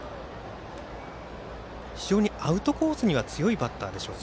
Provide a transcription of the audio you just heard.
非常にアウトコースには強いバッターでしょうか。